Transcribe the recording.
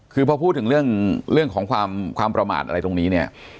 คือพอพูดถึงเรื่องของความประมาทอะไรตรงนี้เนี่ย